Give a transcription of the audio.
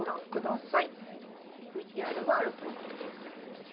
ＶＴＲがあるということです。